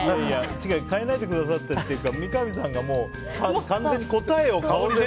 違う変えないでくださってというか三上さんが完全に答えを顔で。